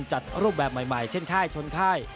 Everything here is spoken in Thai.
จัดรูปแบบใหม่เช่นค่ายชนค่าย